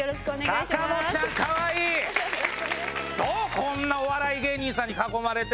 こんなお笑い芸人さんに囲まれて。